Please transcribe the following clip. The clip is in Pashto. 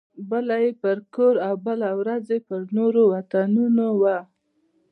بله یې پر کور او بله ورځ یې پر نورو وطنونو وه.